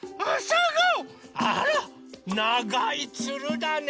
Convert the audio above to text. あらながいつるだね。